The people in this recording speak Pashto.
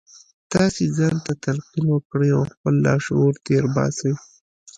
تاسې ځان ته تلقین وکړئ او خپل لاشعور تېر باسئ